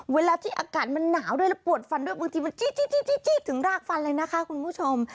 เวลาที่อากาศมันหนาวด้วยแล้วปวดฟันด้วยบางทีมันจี๊ดถึงรากฟันเลยนะคะคุณผู้ชม